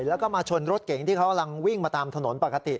แล้วก็มาชนรถเก๋งที่เขากำลังวิ่งมาตามถนนปกติ